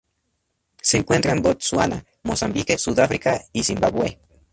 Se encuentra en Botsuana, Mozambique, Sudáfrica y Zimbabue.